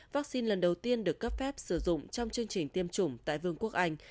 vaccine lần đầu tiên được cấp phép sử dụng trong chương trình tiêm chủng tại vương quốc anh